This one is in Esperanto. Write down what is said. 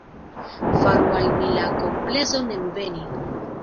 Faru al mi la komplezon enveni.